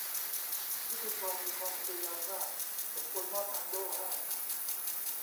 พิธีกรมีความพยายามมาก สมควรมอบอังโล่ให้